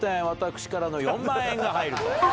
私からの４万円が入ると。